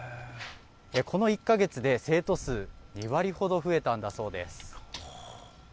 この１か月で生徒数２割ほど増えたんだそうです。